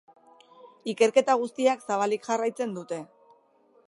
Ikerketa guztiak zabalik jarraitzen dute.